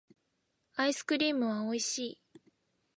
アイスクリームはおいしい